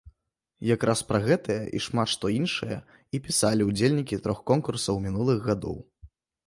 Якраз пра гэтае і шмат што іншае і пісалі ўдзельнікі трох конкурсаў мінулых гадоў.